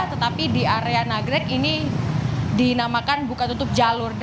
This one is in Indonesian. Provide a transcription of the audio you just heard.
tetapi di area nagrek ini dinamakan buka tutup jalur